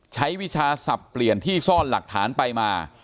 วิชาสับเปลี่ยนที่ซ่อนหลักฐานไปมา